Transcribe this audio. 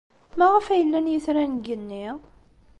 Maɣef ay llan yitran deg yigenni?